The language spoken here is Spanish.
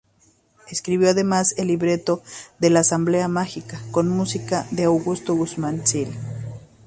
Escribió además el libreto de "La asamblea mágica" con música de Augusto Guzmán Sil.